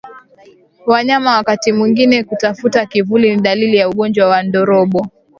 Wanyama wakati mwingine kutafuta kivuli ni dalili ya ugonjwa wa ndorobo